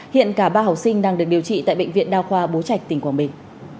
hiện cả ba học sinh đang được điều trị tại bệnh viện đa khoa bố trạch tỉnh quảng bình